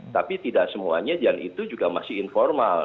tapi tidak semuanya dan itu juga masih informal